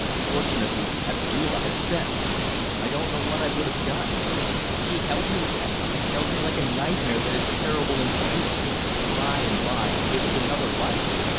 Fortunately Abdulla had sense. I don't know what I wouldn't have done. She held me then. Held me like a nightmare that is terrible and sweet. By and by it was another life.